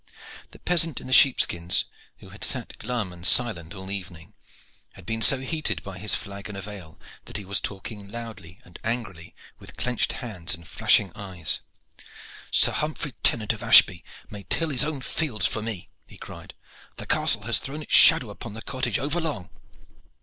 The peasant in the sheepskins, who had sat glum and silent all evening, had been so heated by his flagon of ale that he was talking loudly and angrily with clenched hands and flashing eyes. "Sir Humphrey Tennant of Ashby may till his own fields for me," he cried. "The castle has thrown its shadow upon the cottage over long.